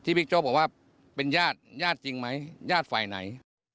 บิ๊กโจ๊กบอกว่าเป็นญาติญาติจริงไหมญาติฝ่ายไหน